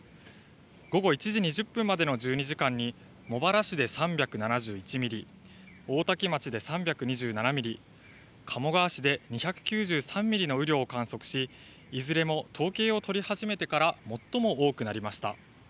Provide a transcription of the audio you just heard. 午後１時２０分までの１２時間に茂原市で３７１ミリ、大多喜町で３２７ミリ、鴨川市で２９３ミリの雨量を観測しいずれも統計を取り始めてから最も多くなりました。